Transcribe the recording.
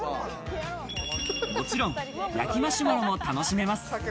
もちろん、焼きマシュマロも楽しめます。